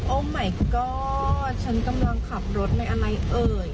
โอ้ไหมก็อดฉันกำลังขับรถไหมอะไรเอ่ย